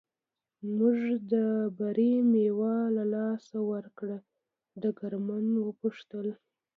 موږ د بري مېوه له لاسه ورکړه، ډګرمن و پوښتل.